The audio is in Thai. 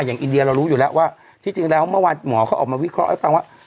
อินเดียเรารู้อยู่แล้วว่าที่จริงแล้วเมื่อวานหมอเขาออกมาวิเคราะห์ให้ฟังว่า